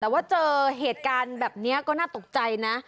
แต่ว่าเจอเหตุการณ์แบบนี้ก็น่าตกใจนะ